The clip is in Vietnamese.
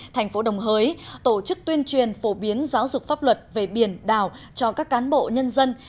thành phố đồng hới tổ chức tuyên truyền phổ biến giáo dục pháp luật về biển đảo cho các cán bộ nhân dân